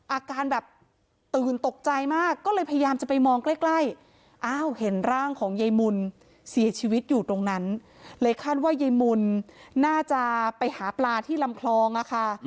อาการแบบตื่นตกใจมากก็เลยพยายามจะไปมองใกล้ใกล้อ้าวเห็นร่างของยายมุนเสียชีวิตอยู่ตรงนั้นเลยคาดว่ายายมุนน่าจะไปหาปลาที่ลำคลองอะค่ะ